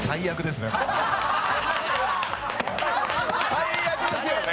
最悪ですよね。